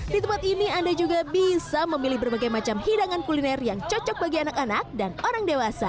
di tempat ini anda juga bisa memilih berbagai macam hidangan kuliner yang cocok bagi anak anak dan orang dewasa